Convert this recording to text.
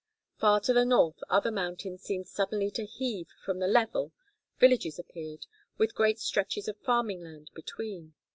Far to the north other mountains seemed suddenly to heave from the level, villages appeared, with great stretches of farming land between.